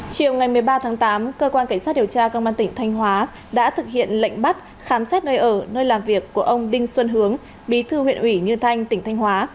chiều ngày một mươi ba tháng tám cơ quan cảnh sát điều tra công an tỉnh thanh hóa đã thực hiện lệnh bắt khám xét nơi ở nơi làm việc của ông đinh xuân hướng bí thư huyện ủy như thanh tỉnh thanh hóa